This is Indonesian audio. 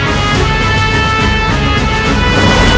kau tak dapat menangani saya